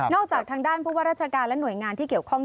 จากทางด้านผู้ว่าราชการและหน่วยงานที่เกี่ยวข้อง